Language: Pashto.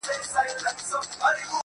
هغې ويل ته خو ضرر نه دی په کار